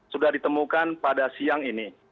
sudah ditemukan pada siang